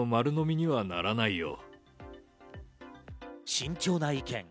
慎重な意見。